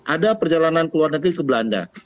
ada perjalanan keluar negeri ke belanda